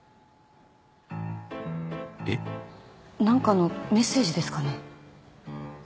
何かのメッセージですかね？